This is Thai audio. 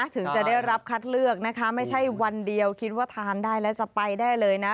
ถึงจะได้รับคัดเลือกนะคะไม่ใช่วันเดียวคิดว่าทานได้แล้วจะไปได้เลยนะ